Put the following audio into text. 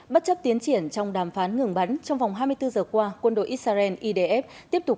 bất chấp tiến triển trong đàm phán ngừng bắn trong vòng hai mươi bốn giờ qua quân đội israel idf tiếp tục